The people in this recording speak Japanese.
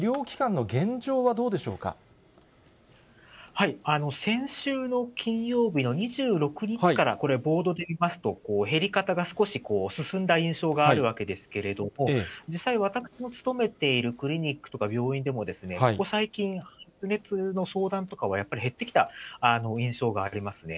加藤先生、先週の金曜日の２６日からこれ、ボードで見ますと、減り方が少し進んだ印象があるわけですけれども、実際、私の勤めているクリニックとか病院でも、ここ最近、発熱の相談とかは、やっぱり減ってきた印象がありますね。